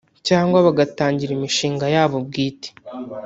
cyangwa bagatangira imishinga yabo bwite